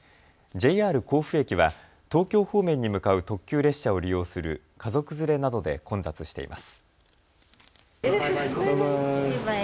ＪＲ甲府駅は東京方面に向かう特急列車を利用する家族連れなどで混雑しています。